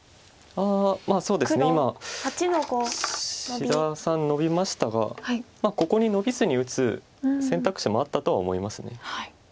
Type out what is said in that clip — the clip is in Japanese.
志田さんノビましたがここにノビずに打つ選択肢もあったとは思います。